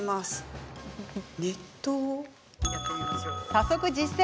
早速、実践。